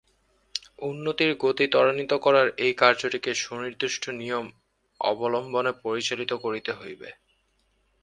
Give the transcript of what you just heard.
উন্নতির গতি ত্বরান্বিত করার এই কার্যটিকে সুনির্দিষ্ট নিয়ম অবলম্বনে পরিচালিত করিতে হইবে।